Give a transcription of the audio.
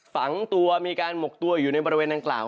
ฝังตัวมีการหมกตัวอยู่ในบริเวณดังกล่าว